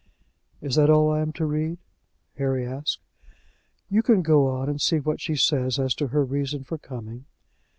"Is that all I'm to read?" Harry asked. "You can go on and see what she says as to her reason for coming."